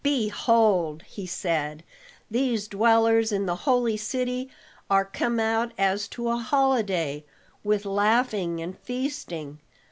"Behold!" he said, "these dwellers in the holy city are come out as to a holiday, with laughing and feasting.